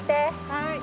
はい。